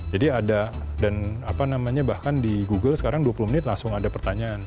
jadi ada dan apa namanya bahkan di google sekarang dua puluh menit langsung ada pertanyaan